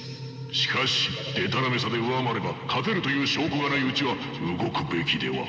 しかしでたらめさで上回れば勝てるという証拠がないうちは動くべきでは。